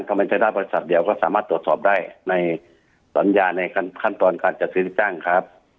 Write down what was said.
มันจะได้บริษัทเดียวก็สามารถตรวจสอบได้ในสัญญาในขั้นตอนการจัดซื้อจ้างครับ